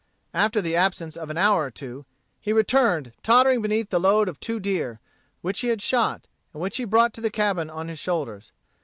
After the absence of an hour or two, he returned tottering beneath the load of two deer, which he had shot, and which he brought to the cabin on his shoulders.